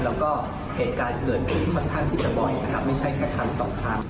แล้วก็เหตุการณ์เกิดมาทั้งที่เฉพาะบ่อยนะครับไม่ใช่แค่ทั้งสองทั้ง